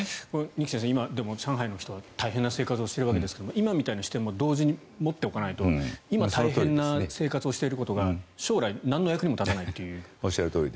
二木先生、今でも上海の人たちは大変な生活をしているわけですが今みたいな視点も同時に持っておかないと今、大変な生活をしていることが将来、なんの役にも立たないと。